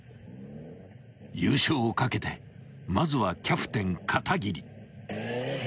［優勝をかけてまずはキャプテン片桐］